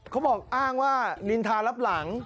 เขาบอกอ้างว่านินทารับหลัง